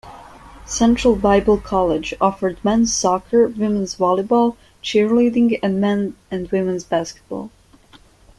Central Bible College offered men's soccer, women's volleyball, cheerleading, and men and women's basketball.